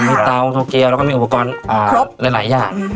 มีเตาโตเกียวแล้วก็มีอุปกรณ์หลายอย่าง